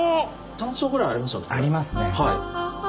あ！ありますね。